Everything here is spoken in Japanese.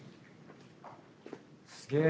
すげえ。